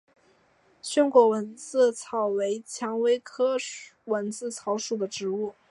旋果蚊子草为蔷薇科蚊子草属的植物。